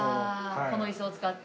この椅子を使って？